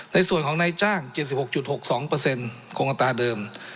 ในส่วนของในจ้าง๗๖๖๒เปอร์เซ็นต์คงอัตราเดิม